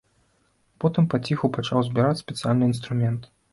Потым паціху пачаў збіраць спецыяльны інструмент.